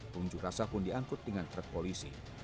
pengunjung rasa pun diangkut dengan kred polisi